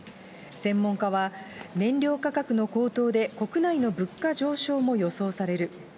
専門家は、燃料価格の高騰で、国内の物価上昇も予想される。